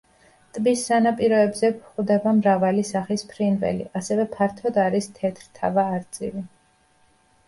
ტბის სანაპიროებზე გვხვდება მრავალი სახის ფრინველი, ასევე ფართოდ არის თეთრთავა არწივი.